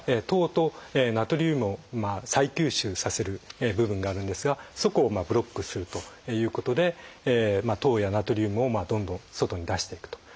糖とナトリウムを再吸収させる部分があるんですがそこをブロックするということで糖やナトリウムをどんどん外に出していくと。